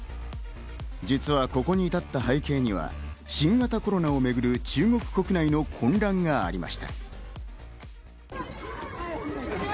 実はここに至った背景には、新型コロナをめぐる中国国内の混乱がありました。